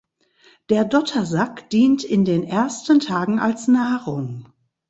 Der Dottersack dient in den ersten Tagen als Nahrung.